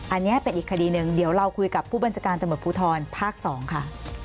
อันนี้เป็นอีกคดีหนึ่งเดี๋ยวเราคุยกับผู้บัญชาการตำรวจภูทรภาค๒ค่ะ